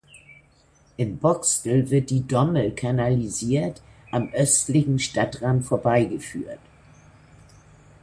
In Boxtel wird die Dommel kanalisiert am östlichen Stadtrand vorbeigeführt.